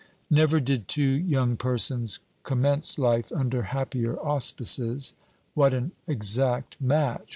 Never did two young persons commence life under happier auspices. "What an exact match!"